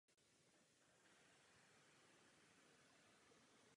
Několik sezón se hrála ve Vinohradském divadle.